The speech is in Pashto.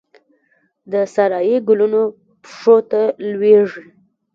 د سارايي ګلونو پښو ته لویږې